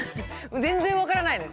全然分からないです。